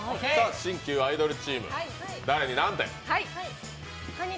新旧アイドルチーム、誰に何点？